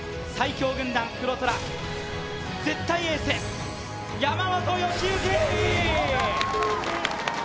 最強軍団黒虎、絶対エース、山本良幸！